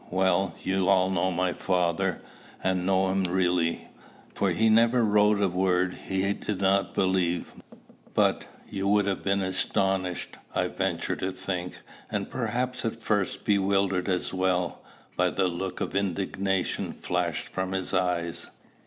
well, you all know my father, and know him really, for he never wrote a word he did not believe but you would have been astonished, I venture to think, and perhaps at first bewildered as well, by the look of indignation flashed from his eyes.